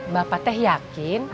bapak teh yakin